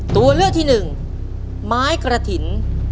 ตัวเลือกที่หนึ่งไม้กระถิ่น